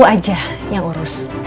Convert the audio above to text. itu aja yang urus